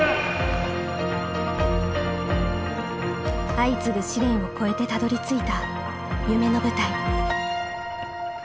相次ぐ試練を超えてたどりついた夢の舞台。